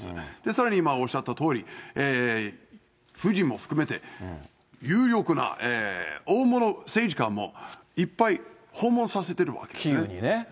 さらに今、おっしゃったとおり、夫人も含めて、有力な大物政治家もいっぱい訪問させてるわけですね。